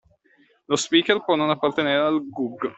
Lo speaker può non appartenere al GUG